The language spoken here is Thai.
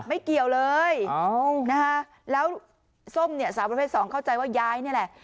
ไม่เกี่ยวเลยนะคะแล้วส้มเนี่ยสาวประเภทสองเข้าใจว่ายายนี่แหละ